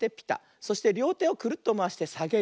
そしてりょうてをクルッとまわしてさげる。